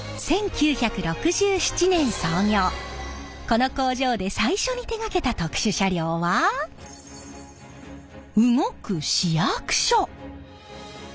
この工場で最初に手がけた特殊車両は動く市役所。